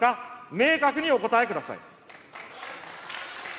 明確にお答えください。